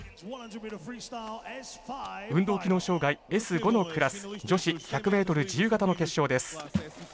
運動機能障がいＳ５のクラス女子１００ｍ自由形の決勝です。